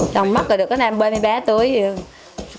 trong mắt là được cái nam bê mê bé tuổi